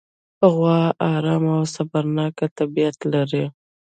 غوا ارامه او صبرناکه طبیعت لري.